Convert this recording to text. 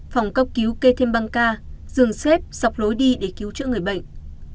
phòng cấp cứu kê thêm băng ca giường xếp dọc lối đi để cứu chữa người bệnh